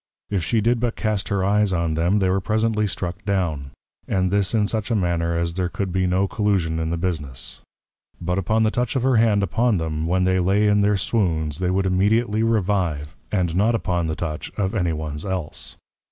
If she did but cast her Eyes on them, they were presently struck down; and this in such a manner as there could be no Collusion in the Business. But upon the Touch of her Hand upon them, when they lay in their Swoons, they would immediately Revive; and not upon the Touch of any ones else.